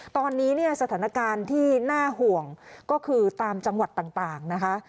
ตอนนี้เนี่ยสถานการณ์ที่น่าห่วงก็คือตามจังหวัดต่างนะคะ